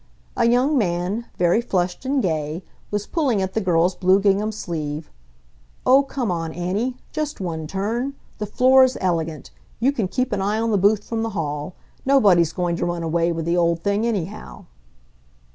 A young man, very flushed and gay, was pulling at the girl's blue gingham sleeve. "Oh, come on, Annie. Just one turn! The floor's elegant. You can keep an eye on the booth from the hall! Nobody's going to run away with the old thing anyhow!"